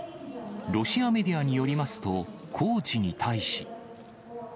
ロシアメディアによりますと、コーチに対し。